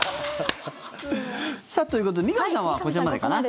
さあ、ということで三上さんはこちらまでかな？